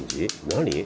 何？